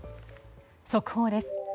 速報です。